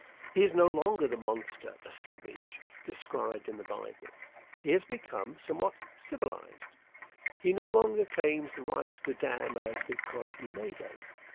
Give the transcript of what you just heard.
He is no longer the monster, the savage, described in the Bible. He has become somewhat civilized. He no longer claims the right to damn us because he made us.